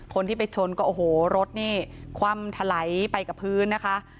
คนที่ไปชนก็โอ้โหรถนี่คว่ำถลายไปกับพื้นนะคะ